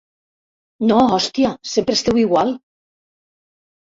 No, hòstia, sempre esteu igual.